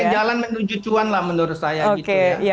jalan menuju cuan lah menurut saya gitu ya